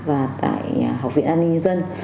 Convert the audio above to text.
và tại học viện an ninh dân